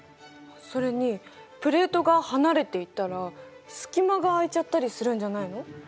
それにプレートが離れていったら隙間が空いちゃったりするんじゃないの？